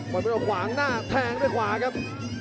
นั้นหวังขวางหน้าแทงด้วยขวาครับ